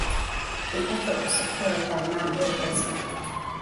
The effort was supported by Matt Wood Racing.